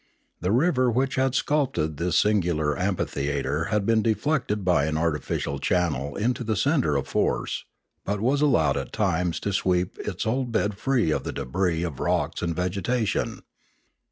The river which had sculp tured this singular amphitheatre had been deflected by an artificial channel into the centre of force, but was allowed at times to sweep its old bed free of the de*bris of rocks and vegetation.